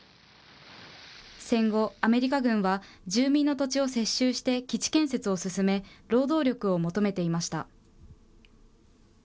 戦後、アメリカ軍は住民の土地を接収して基地建設を進め、労働力を求めていました。